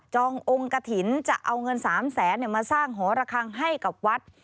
ององค์กระถิ่นจะเอาเงิน๓แสนมาสร้างหอระคังให้กับวัด